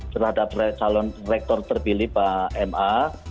terhadap calon rektor terpilih pak ma